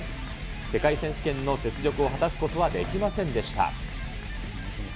世界選手権の雪辱を果たすことはできませんでした。